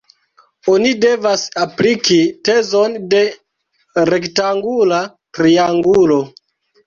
Oni devas apliki tezon de rektangula triangulo.